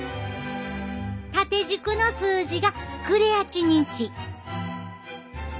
縦軸の数字がクレアチニン値。